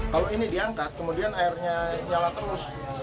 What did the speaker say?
kalau ini diangkat kemudian airnya nyala terus